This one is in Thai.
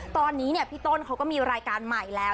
ตอนนี้พี่ต้นเขาก็มีรายการใหม่แล้ว